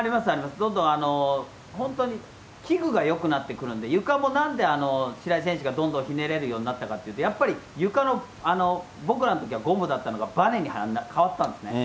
どんどん、本当に器具がよくなってくるんで、ゆかもなんで平井選手がどんどんひねれるようになったかっていうと、やっぱり、ゆかの、僕らのときはゴムだったのが、ばねに変わったんですね。